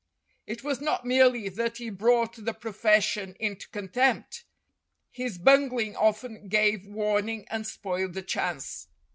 It was not merely that he brought the profes sion into contempt; his bungling often gave warning and spoiled a chance.